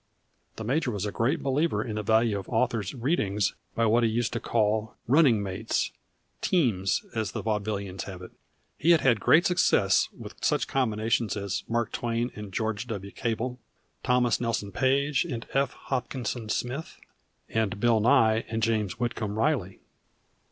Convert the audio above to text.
The major was a great believer in the value of Author's Readings by what he used to call "running mates," teams, as the vaudevillains have it. He had had great success with such combinations as Mark Twain and George W. Cable, Thomas Nelson Page and F. Hopkinson Smith, and Bill Nye and James Whitcomb Riley.